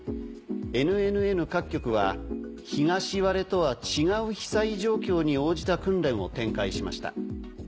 ＮＮＮ各局は東割れとは違う被災状況に応じた訓練を展開しました。